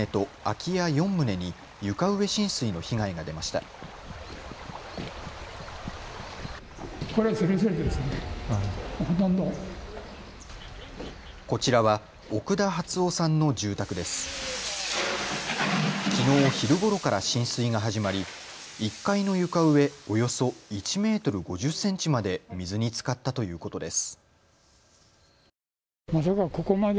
きのう昼ごろから浸水が始まり１階の床上およそ１メートル５０センチまで水につかったということです。